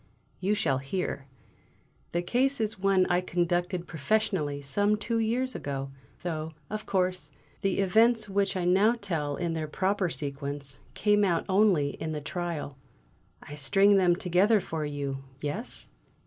You shall hear! The case is one I conducted professionally some two years ago, though, of course, the events which I now tell in their proper sequence, came out only in the trial. I string them together for you, yes?"